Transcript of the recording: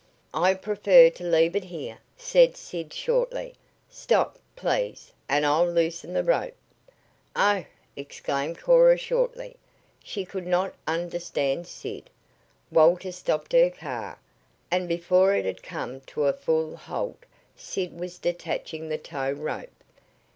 "I prefer to leave it here," said Sid shortly. "Stop, please, and I'll loosen the rope." "Oh!" exclaimed Cora shortly. She could not understand Sid. Walter stopped her car, and before it had come to a full halt Sid was detaching the tow rope.